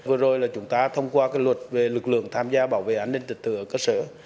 vừa rồi là chúng ta thông qua cái luật về lực lượng tham gia bảo vệ an ninh trật tự ở cơ sở